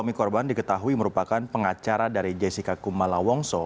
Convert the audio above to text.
suami korban diketahui merupakan pengacara dari jessica kumala wongso